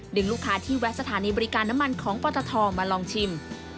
ลูกค้าที่แวะสถานีบริการน้ำมันของปตทมาลองชิม